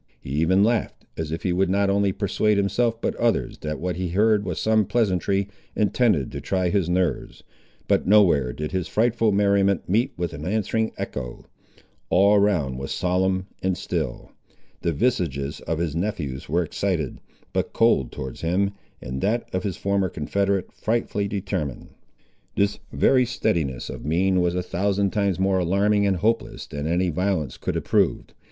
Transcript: He even laughed, as if he would not only persuade himself but others that what he heard was some pleasantry, intended to try his nerves. But nowhere did his frightful merriment meet with an answering echo. All around was solemn and still. The visages of his nephews were excited, but cold towards him, and that of his former confederate frightfully determined. This very steadiness of mien was a thousand times more alarming and hopeless than any violence could have proved.